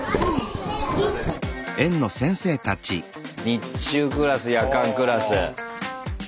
日中クラス夜間クラス。